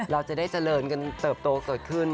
เราจะได้เจริญกันเติบโตเกิดขึ้น